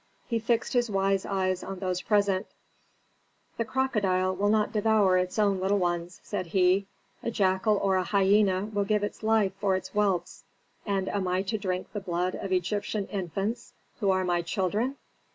He fixed his wise eyes on those present, "The crocodile will not devour its own little ones," said he, "a jackal or a hyena will give its life for its whelps, and am I to drink the blood of Egyptian infants, who are my children?